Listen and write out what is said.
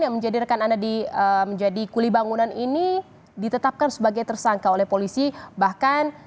kenapa paul kembali untuk berjalan